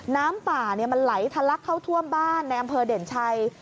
น้ำป่ามันไหลทะลักเข้าท่วมบ้านในอำเภอเด่นชัย